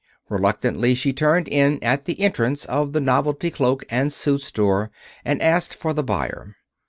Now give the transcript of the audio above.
Reluctantly she turned in at the entrance of the Novelty Cloak and Suit Store and asked for the buyer.